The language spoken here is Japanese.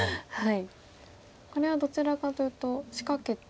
これはどちらかというと仕掛けて。